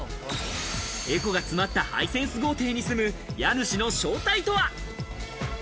エコが詰まったハイセンス豪邸に住む家主の正体とは？